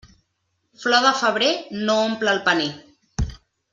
Flor de febrer no omple el paner.